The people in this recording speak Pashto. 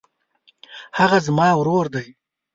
هغه زما ورور دی.